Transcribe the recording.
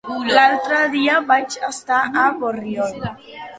L'altre dia vaig estar a Borriol.